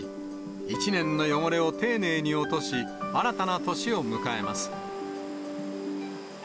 １年の汚れを丁寧に落とし、新たな年を迎えます。